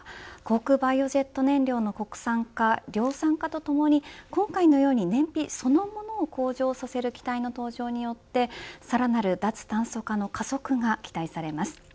航空バイオジェット燃料の国産化量産化とともに今回のように燃費そのものを向上させる機体の登場によってさらなる脱炭素化の加速が期待されます。